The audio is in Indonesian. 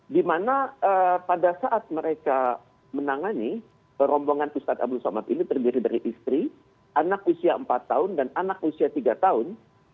dimana pada saat mereka menangani rombongan ustadz abdul somad ini terdiri dari istri anak usia empat tahun dan anak usia tiga tahun